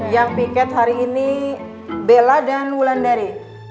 yang piket hari ini bella dan wulandari